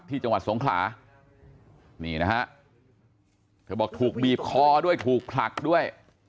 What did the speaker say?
จังหวัดสงขลานี่นะฮะเธอบอกถูกบีบคอด้วยถูกผลักด้วย